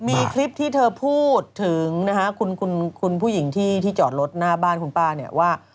มีคลิปที่เธอพูดถึงนะฮะคุณผู้หญิงที่จอดรถหน้าบ้านคุณป้าเนี่ยว่า